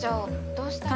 どうしたら。